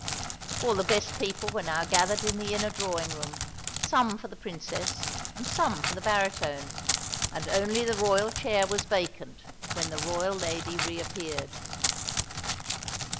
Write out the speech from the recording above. All the best people were now gathered in the inner drawing room; some for the Princess, and some for the baritone; and only the royal chair was vacant when the royal lady reappeared.